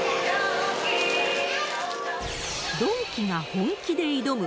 ドンキが本気で挑む。